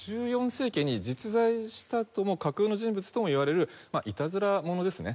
１４世紀に実在したとも架空の人物ともいわれるいたずら者ですね。